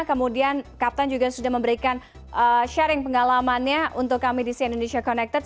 kemudian kapten juga sudah memberikan sharing pengalamannya untuk kami di sian indonesia connected